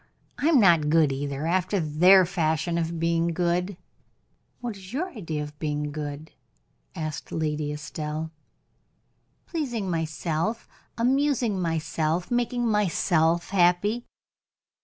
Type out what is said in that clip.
I am not good either, after their fashion of being good." "What is your idea of being good?" asked Lady Estelle. "Pleasing myself, amusing myself, making myself happy."